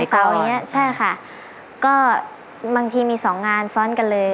บางเวลาอย่างนี้ใช่ค่ะก็บางทีมี๒งานซ้อนกันเลยค่ะ